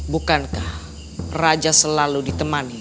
bukankah raja selalu ditemani